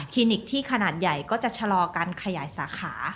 นิกที่ขนาดใหญ่ก็จะชะลอการขยายสาขา